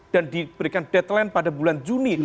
dan diberikan deadline pada bulan juni